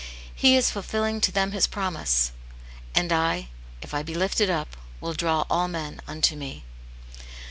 He is fulfilling to them his promise, "And I, if I be lifted up, will draw all men unto me."